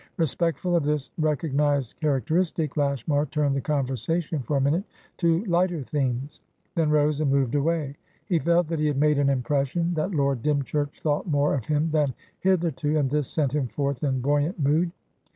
Respectful of this recognised characteristic, Lashmar turned the conversation for a minute to lighter themes, then rose and moved away. He felt that he had made an impression, that Lord Dymchurch thought more of him than hitherto, and this sent him forth in buoyant mood.